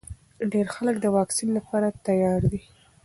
ډېر خلک د واکسین لپاره تیار دي.